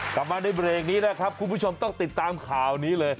กลับมาในเบรกนี้นะครับคุณผู้ชมต้องติดตามข่าวนี้เลย